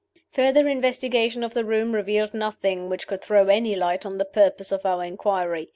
"Further investigation of the room revealed nothing which could throw any light on the purpose of our inquiry.